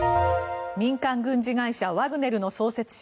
民間軍事会社ワグネルの創設者